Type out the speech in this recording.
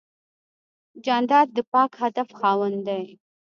جانداد د پاک هدف خاوند دی.